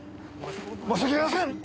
申し訳ありません！